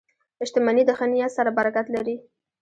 • شتمني د ښه نیت سره برکت لري.